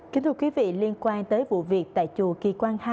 kính thưa quý vị liên quan tới vụ việc tại chùa kỳ quan hai